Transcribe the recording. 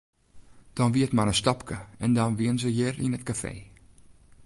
Dan wie it mar in stapke en dan wienen se hjir yn it kafee.